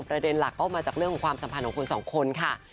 ประเด็นหลักก็มาจากเรื่องของความสัมพันธ์ของคนสองคนค่ะ